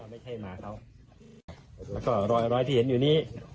ไม่ใช่หมาเขาแล้วก็รอยที่เห็นอยู่นี้